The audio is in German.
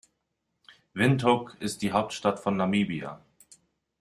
Windhoek ist die Hauptstadt von Namibia.